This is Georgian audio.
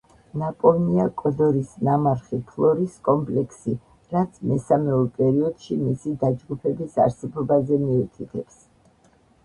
ნაპოვნია კოდორის ნამარხი ფლორის კომპლექსში, რაც მესამეულ პერიოდში მისი დაჯგუფების არსებობაზე მიუთითებს.